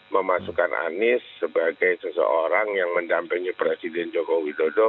memasukkan anies sebagai seseorang yang mendampingi presiden joko widodo